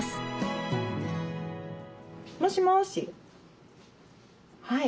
もしもしはい。